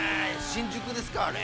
新宿ですか、あれ。